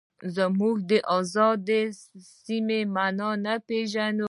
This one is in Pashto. موږ د ازادۍ سمه مانا نه پېژنو.